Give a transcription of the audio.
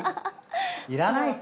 いらないと。